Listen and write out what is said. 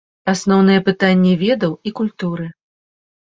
Асноўныя пытанні ведаў і культуры.